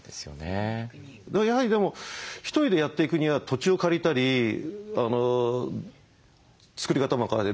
やはりでも１人でやっていくには土地を借りたり作り方も分からない。